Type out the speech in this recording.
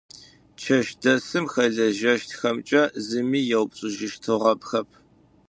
Чэщдэсым хэлэжьэщтхэмкӏэ зыми еупчӏыжьыщтыгъэхэп.